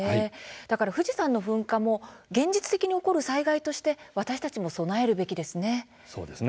だから富士山の噴火も現実的に起こる災害として私たちも受け止めるべきですね。